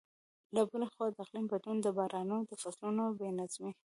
له بلې خوا، د اقلیم بدلون د بارانونو د فصلونو بې نظمۍ.